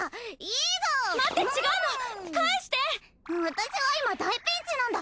私は今大ピンチなんだ！